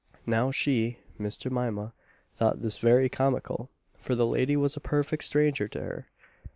Now she, Miss Jemima, thought this very comical, for the lady was a perfect stranger to her.